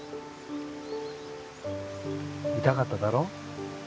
痛かっただろ？